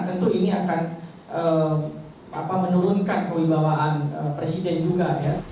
tentu ini akan menurunkan kewibawaan presiden juga